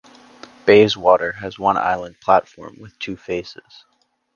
Bayswater has one island platform with two faces.